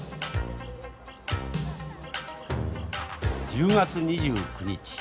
１０月２９日。